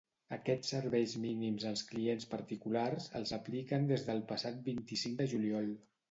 Aquests serveis mínims als clients particulars els apliquen des del passat vint-i-cinc de juliol.